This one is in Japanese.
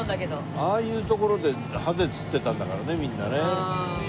ああいう所でハゼ釣ってたんだからねみんなね。